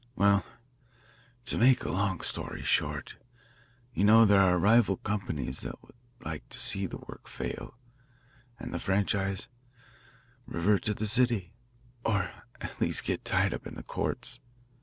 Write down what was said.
Well, to make a long story short, you know there are rival companies that would like to see the work fail and the franchise revert to the city, or at least get tied up in the courts.